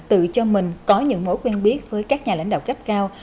tự cho mình có những mối quen biết với các nhà lãnh đạo cấp cao